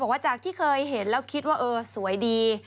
ว่าจากที่เคยเห็นแล้วคิดว่าเออสวยดี